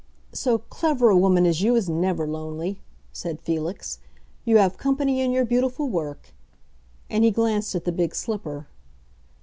"So clever a woman as you is never lonely," said Felix. "You have company in your beautiful work." And he glanced at the big slipper.